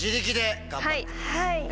はい。